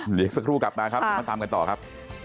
เหลียกสักครู่กลับมาครับมาตามกันต่อครับ